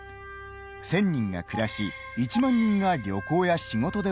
１，０００人が暮らし１万人が旅行や仕事で訪れます。